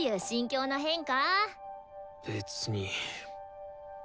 別に。